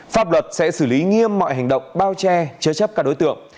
pháp luật sẽ xử lý nghiêm mọi hành động bao che chế chấp các đối tượng